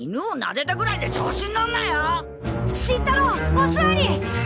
おすわり！